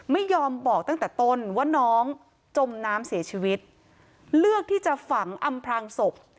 ไม่ยอมบอกตั้งแต่ต้นว่าน้องจมน้ำเสียชีวิตเลือกที่จะฝังอำพลางศพ